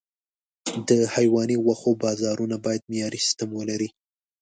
د حيواني غوښو بازارونه باید معیاري سیستم ولري.